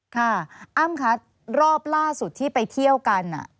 อ้ำคะรอบล่าสุดที่ไปเที่ยวกัน